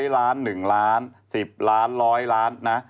๐ล้าน๑ล้าน๑๐ล้าน๑๐๐ล้านนะ